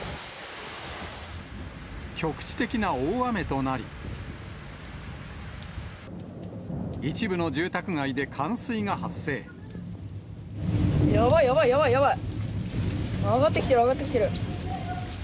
局地的な大雨となり、一部のやばい、やばい、やばい。上がってきてる、上がってきてる。